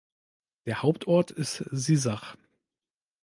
Der Hauptort ist Sissach.